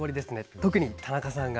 特に田中さんが。